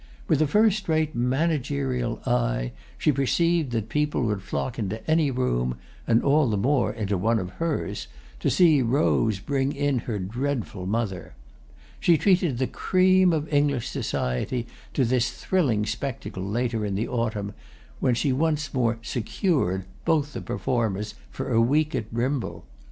With a first rate managerial eye she perceived that people would flock into any room—and all the more into one of hers—to see Rose bring in her dreadful mother. She treated the cream of English society to this thrilling spectacle later in the autumn, when she once more "secured" both the performers for a week at Brimble.